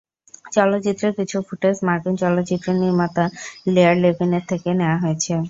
চলচ্চিত্রের কিছু ফুটেজ মার্কিন চলচ্চিত্র নির্মাতা লেয়ার লেভিন-এর থেকে নেয়া হয়েছে।